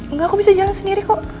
enggak aku bisa jalan sendiri kok